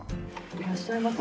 いらっしゃいますよ。